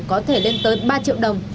có thể lên tới ba triệu đồng